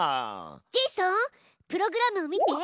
ジェイソンプログラムを見て。